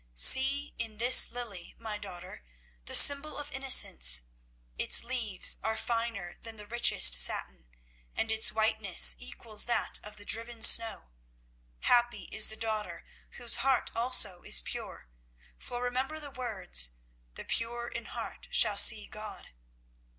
"See, in this lily, my daughter, the symbol of innocence. Its leaves are finer than richest satin, and its whiteness equals that of the driven snow. Happy is the daughter whose heart also is pure, for remember the words, 'The pure in heart shall see God.'